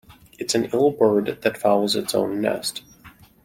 It's an ill bird that fouls its own nest.